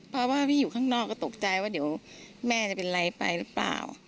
เพราะว่าพี่อยู่ข้างนอกก็ตกใจว่าเดี๋ยวแม่จะเป็นไรไปหรือเปล่า